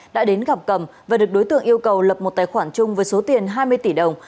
đã đến gặp cầm và được đối tượng yêu cầu lập một tài khoản chung với số tiền hai mươi tỷ đồng